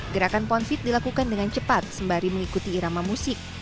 gerakan pound feet dilakukan dengan cepat sembari mengikuti irama musik